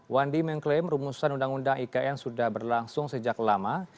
wandi mengklaim rumusan undang undang ikn sudah berlangsung sejak lama